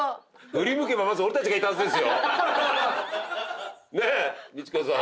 振り向けばまず俺たちがいたはずですよ。ねえミチコさん。